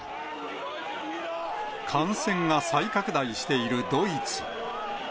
感染が再拡大しているドイツ。